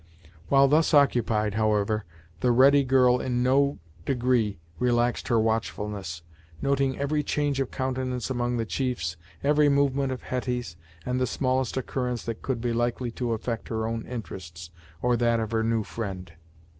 While thus occupied, however, the ready girl in no degree relaxed in her watchfulness, noting every change of countenance among the chiefs, every movement of Hetty's, and the smallest occurrence that could be likely to affect her own interests, or that of her new friend.